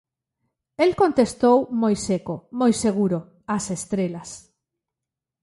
El contestou moi seco, moi seguro, as estrelas.